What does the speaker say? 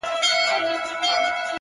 د چا په برېت کي ونښتې پېزوانه سرگردانه!!